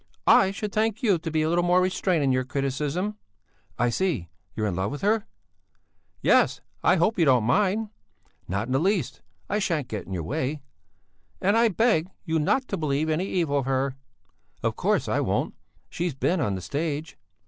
"I should thank you to be a little more restrained in your criticism." "I see. You're in love with her!" "Yes. I hope you don't mind." "Not in the least. I shan't get into your way!" "And I beg you not to believe any evil of her...." "Of course I won't! She's been on the stage...."